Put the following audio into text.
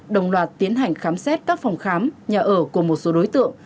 đồng loạt tiến hành khám xét các phòng khám nhà ở của một số đối tượng